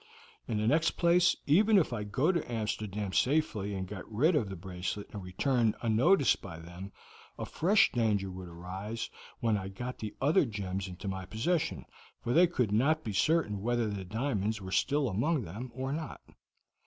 In the next place, even if I got to Amsterdam safely and got rid of the bracelet and returned unnoticed by them, a fresh danger would arise when I got the other gems into my possession, for they could not be certain whether the diamonds were still among them or not."